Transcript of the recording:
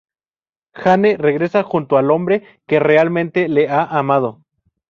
Jane regresa junto al hombre que realmente le ha amado.